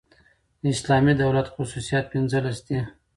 د اسلامي دولت خصوصیات پنځلس دي.